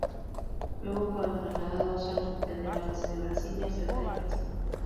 Luego fueron trasladados al Hospital de la Base de Brasilia, cerca de Brasilia.